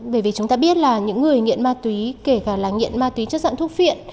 bởi vì chúng ta biết là những người nghiện ma túy kể cả là nghiện ma túy chất dạng thuốc viện